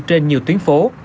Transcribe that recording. trên nhiều tuyến phố